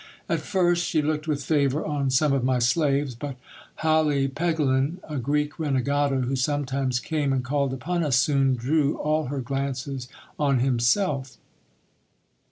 At first she looked with favour on someof my slaves; but Hali Pegelin, a Greek renegado, who sometimes came and called upon us, soon drew all her glances on himself.